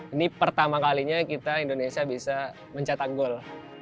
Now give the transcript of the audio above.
ini pertama kalinya kita indonesia bisa mencetak gol